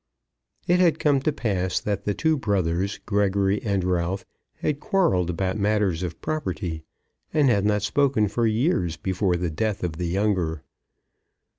It had come to pass that the two brothers, Gregory and Ralph, had quarrelled about matters of property, and had not spoken for years before the death of the younger.